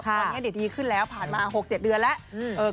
ตอนนี้ดีขึ้นแล้วผ่านมา๖๗เดือนแล้ว